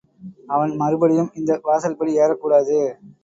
அவன் மறுபடியும் இந்த வாசல்படி ஏறக்கூடாது.